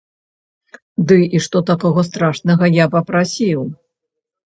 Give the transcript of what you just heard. Ды і што такога страшнага я папрасіў?